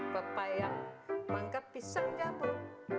pepayang mangka pisang jabut